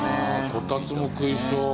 こたつも食いそう。